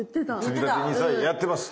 つみたてＮＩＳＡやってます。